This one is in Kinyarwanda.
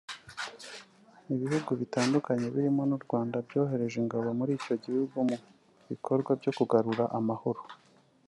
Ibihugu bitandukanye birimo n’u Rwanda byohereje ingabo muri icyo gihugu mu bikorwa byo kugarura amahoro